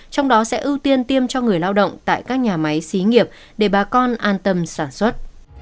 trong đó sẽ ưu tiên tiêm cho người lao động tại các nhà máy xí nghiệp để bà con an tâm sản xuất